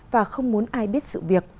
và không muốn ai biết